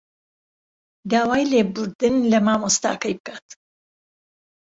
داوای لێبوردن لە مامۆستاکەی بکات